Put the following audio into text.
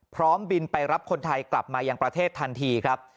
บินไปรับคนไทยกลับมายังประเทศทันทีครับ